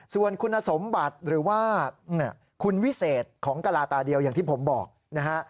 ส่วนคุณสมบัติหรือว่าคุณวิเศษของกระลาตาเดียวอย่างที่ผมบอกนะฮะ